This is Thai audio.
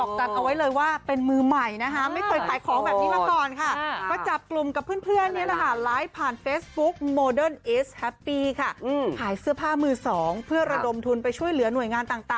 การออกกันเอาไว้เลยว่าเป็นมือใหม่นะคะ